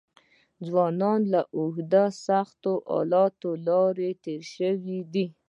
ځوانان له اوږدو او سختو لارو تېر شوي دي.